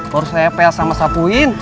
baru saya pel sama sapuin